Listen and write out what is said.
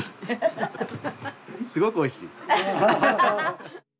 すごくおいしい。